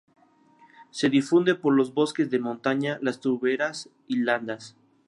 Se difunde por los bosques de montaña, las turberas y landas.